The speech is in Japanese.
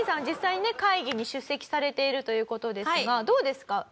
実際にね会議に出席されているという事ですがどうですか？